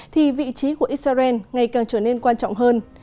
thì vị trí của israel ngày càng trở nên quan trọng hơn